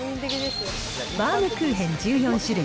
バウムクーヘン１４種類